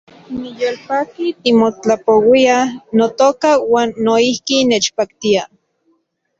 Niyolpaki timotlapouiaj, notoka , uan noijki nechpaktia